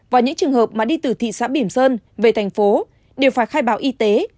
và những trường hợp mà đi từ thị xã bỉm sơn về thành phố đều phải khai báo y tế